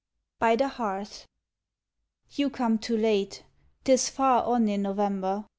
BY THE HEARTH. You come too late; 'Tis far on in November.